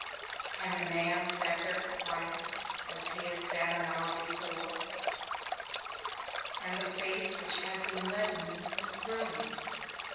And the man sat there quiet, as he had sat an hour before, and the face which had been leaden was brilliant.